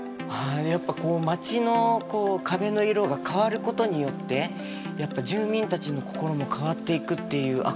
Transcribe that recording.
やっぱこう街の壁の色が変わることによってやっぱ住民たちの心も変わっていくっていう。